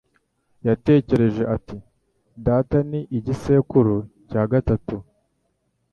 Yatekereje ati: "Data ni igisekuru cya gatanu."